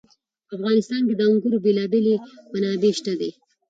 په افغانستان کې د انګورو بېلابېلې منابع شته دي.